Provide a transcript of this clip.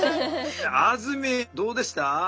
あずみんどうでした？